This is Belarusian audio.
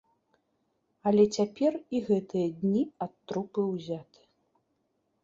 Але цяпер і гэтыя дні ад трупы ўзяты.